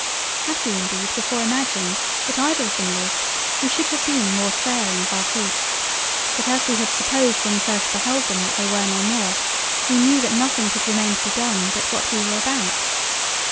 Had we indeed before imagined that either of them lived, we should have been more sparing of our Greif—but as we had supposed when we first beheld them that they were no more, we knew that nothing could remain to be done but what we were about.